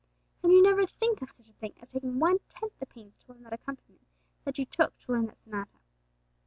And you never think of such a thing as taking one tenth the pains to learn that accompaniment that you took to learn that sonata!